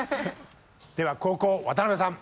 では後攻渡邉さん